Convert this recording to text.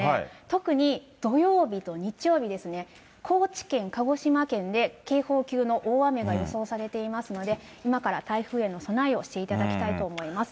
特に土曜日と日曜日ですね、高知県と鹿児島県で警報級の大雨が予想されていますので、今から台風への備えをしていただきたいと思います。